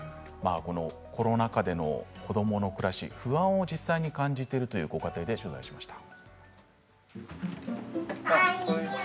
コロナ禍での子どもの暮らし不安を実際に感じているというご家庭で取材をしました。